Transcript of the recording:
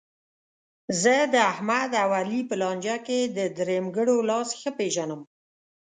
زه داحمد او علي په لانجه کې د درېیمګړو لاس ښه پېژنم.